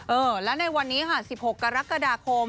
เออและในวันนี้ค่ะ๑๖กรกฎาคม